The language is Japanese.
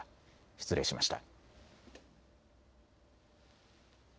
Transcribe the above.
失礼しました。